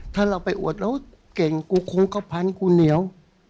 ถ้าเราไปอวดเราเก่งกูคงเข้าพันกูเหนียว